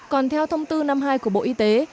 còn theo thông tư năm mươi hai của bộ y tế